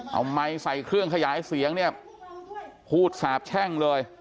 เอาไมค์ใส่เครื่องขยายเสียงเนี่ยพูดสาบแช่งเลย